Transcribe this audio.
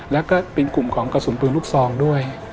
แล้วก็เป็นกลุ่มของกระสุนปืนลูกซองด้วย